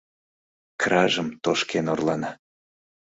Кражым тошкен орлана.